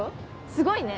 すごいね。